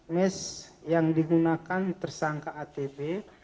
mes yang digunakan tersangka atb